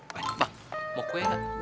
banyak bang mau kue